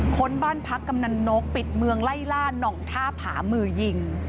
ค้นบ้านพักกำนันนกปิดเมืองไล่ล่าน่องท่าผามือยิง